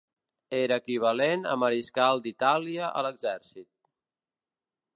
Era equivalent a Mariscal d'Itàlia a l'exèrcit.